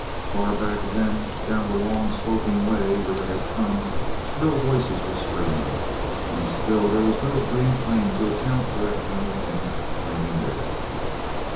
Far back of them, down the long sloping way where they had come, shrill voices were screaming—and still there was no green flame to account for that tunnel end flaming red.